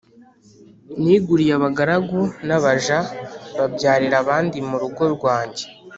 niguriye abagaragu n’abaja babyarira abandi mu rugo rwanjye,